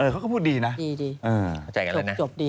เขาก็พูดดีนะจบดี